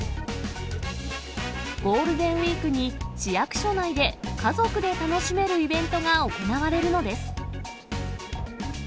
ゴールデンウィークに市役所内で、家族で楽しめるイベントが行われるのです。